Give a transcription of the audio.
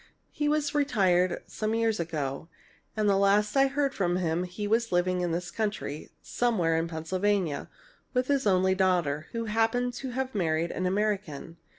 He was retired some years ago, and the last I heard of him he was living in this country, somewhere in Pennsylvania, with his only daughter, who happened to have married an American.